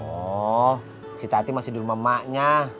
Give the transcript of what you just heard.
oh si tati masih di rumah maknya